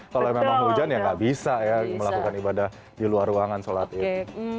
kalau memang hujan ya nggak bisa ya melakukan ibadah di luar ruangan sholat itu